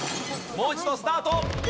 もう一度スタート！